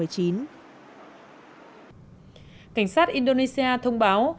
cảnh sát indonesia thông báo